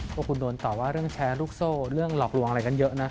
พวกคุณโดนต่อว่าเรื่องแชร์ลูกโซ่เรื่องหลอกลวงอะไรกันเยอะนะ